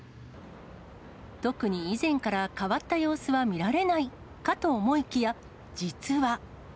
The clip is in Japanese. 特に以前から変わった様子は見られないかと思いきや、実は。